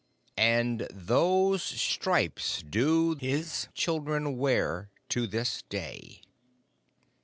_And those stripes do his children wear to this day!